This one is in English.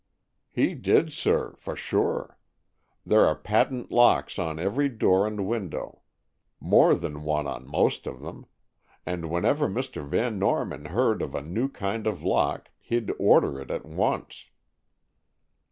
"He did, sir, for sure. There are patent locks on every door and window, more than one on most of them; and whenever Mr. Van Norman heard of a new kind of lock, he'd order it at once."